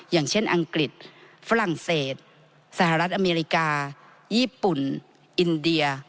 อย่างเช่นอังกฤษฝรั่งเศสหรัฐอเมริกาญี่ปุ่นอินเดีย